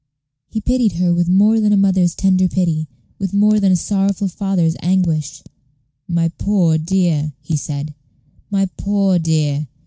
He pitied her with more than a mother's tender pity, with more than a sorrowful father's anguish. "My poor dear!" he said, "my poor dear!